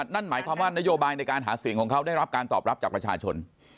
นั่นหมายความว่านโยบายในการหาเสียงของเขาได้รับการตอบรับจากประชาชน